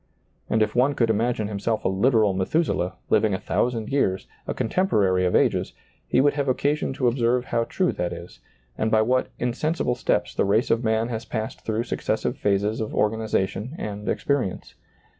And if one could imagine him self a literal Methuselah, living a thousand years, a contemporary of ages, he would have occasion to observe how true that is, and by what insen sible steps the race of man has passed through successive phases of organization and experience.